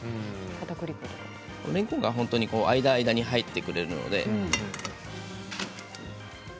れんこんが間、間に入ってくれるので。